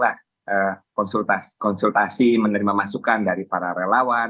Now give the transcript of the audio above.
kita konsultasi menerima masukan dari para relawan